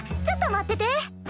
ちょっと待ってて！